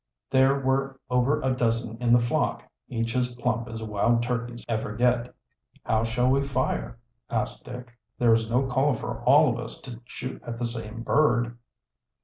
There were over a dozen in the flock, each as plump as wild turkeys ever get. "How shall we fire?" asked Dick. "There is no call for all of us to shoot at the same bird."